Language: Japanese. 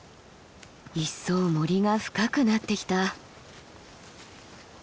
一層森が深くなってきた。